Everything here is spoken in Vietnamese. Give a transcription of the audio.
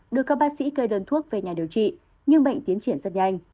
đưa các bác sĩ kê đơn thuốc về nhà điều trị nhưng bệnh tiến triển rất nhanh